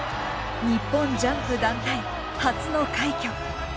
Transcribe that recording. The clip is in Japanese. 日本ジャンプ団体初の快挙。